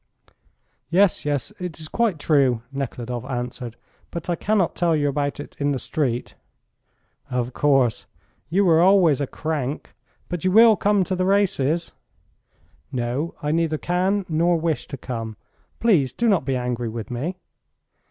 "Yes, yes, it is quite true," Nekhludoff answered; "but I cannot tell you about it in the street." "Of course; you always were a crank. But you will come to the races?" "No. I neither can nor wish to come. Please do not be angry with me."